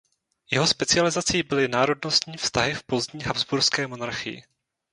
Jeho specializací byly národnostní vztahy v pozdní habsburské monarchii.